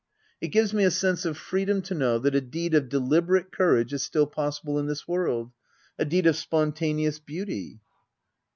It gives me a sense of freedom to know that a deed of deliberate courage is still possible in this world, — a deed of spontaneous beauty.